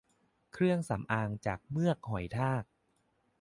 เครื่องสำอางจากเมือกหอยทาก